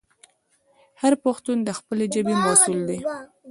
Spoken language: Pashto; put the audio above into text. هر پښتون د خپلې ژبې مسوول دی.